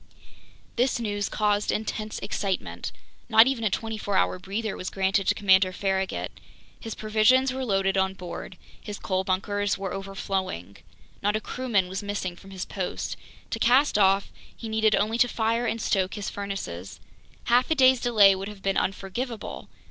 This news caused intense excitement. Not even a 24 hour breather was granted to Commander Farragut. His provisions were loaded on board. His coal bunkers were overflowing. Not a crewman was missing from his post. To cast off, he needed only to fire and stoke his furnaces! Half a day's delay would have been unforgivable!